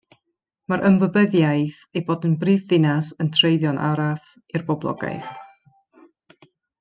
Mae'r ymwybyddiaeth ei bod yn brifddinas yn treiddio yn araf i'r boblogaeth.